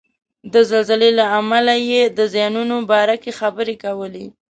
د زلزلې له امله یې د زیانونو باره کې خبرې کولې.